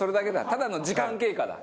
ただの時間経過だ。